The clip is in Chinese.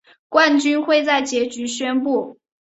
冠军会在结局宣布。